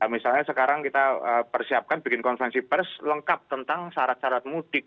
misalnya sekarang kita persiapkan bikin konferensi pers lengkap tentang syarat syarat mudik